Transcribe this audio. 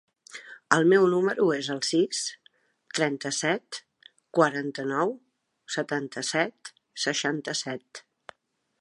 El meu número es el sis, trenta-set, quaranta-nou, setanta-set, seixanta-set.